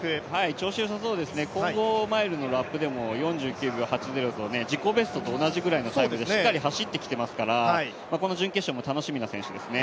調子よさそうですね、混合マイルのラップでも４９秒８０と自己ベストと同じぐらいのタイムでしっかり走ってきていますからこの準決勝も楽しみな選手ですね。